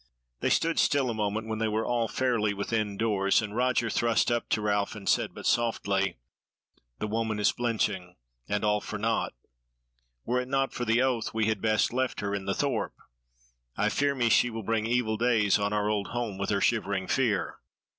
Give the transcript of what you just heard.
They stood still a moment when they were all fairly within doors, and Roger thrust up to Ralph and said, but softly: "The woman is blenching, and all for naught; were it not for the oath, we had best have left her in the thorp: I fear me she will bring evil days on our old home with her shivering fear.